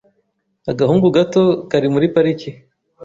Agahungu gato kari muri pariki.